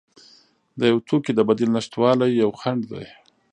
د یو توکي د بدیل نشتوالی یو خنډ دی.